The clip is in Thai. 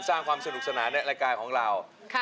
สร้างความสนุกสนานในรายการของเรา